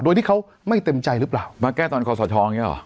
โดยที่เขาไม่เต็มใจหรือเปล่ามาแก้ตอนคอสชอย่างนี้หรอ